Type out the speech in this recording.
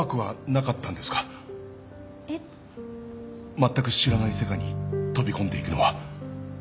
まったく知らない世界に飛び込んでいくのは。